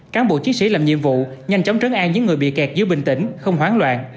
cán bộ chiến sĩ làm nhiệm vụ nhanh chóng trấn an những người bị kẹt giữa bình tĩnh không hoán loạn